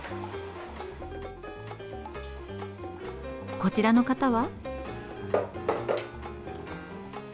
こちらの方は？